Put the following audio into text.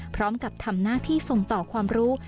พร้อมกับทำหน้าที่ส่งต่อความรู้